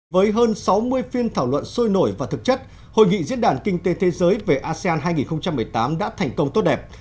với hơn sáu mươi phiên thảo luận sôi nổi và thực chất hội nghị diễn đàn kinh tế thế giới về asean hai nghìn một mươi tám đã thành công tốt đẹp